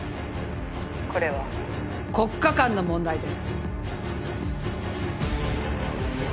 これは国家間の問題です